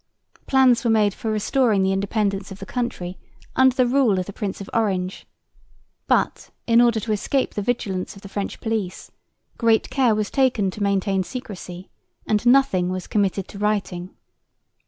Plans were made for restoring the independence of the country under the rule of the Prince of Orange; but, in order to escape the vigilance of the French police, great care was taken to maintain secrecy, and nothing was committed to writing.